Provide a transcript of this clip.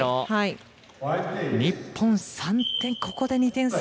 日本３点ここで２点差。